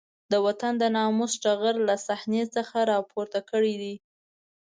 د وطن د ناموس ټغر له صحنې څخه راپورته کړی دی.